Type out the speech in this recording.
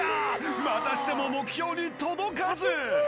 またしても目標に届かず！